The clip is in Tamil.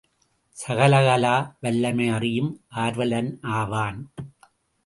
சகலகலாவல்லமை அறியும் ஆர்வலனாவான்.